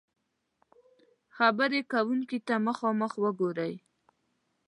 -خبرې کونکي ته مخامخ وګورئ